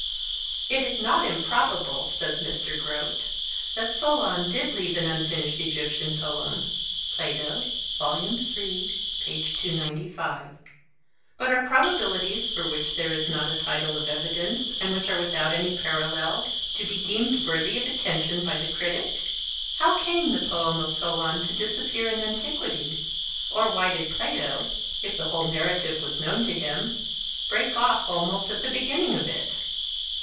'It is not improbable,' says Mr. Grote, 'that Solon did leave an unfinished Egyptian poem' (Plato). But are probabilities for which there is not a tittle of evidence, and which are without any parallel, to be deemed worthy of attention by the critic? How came the poem of Solon to disappear in antiquity? or why did Plato, if the whole narrative was known to him, break off almost at the beginning of it?